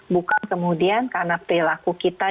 bukan kemudian karena perilaku kita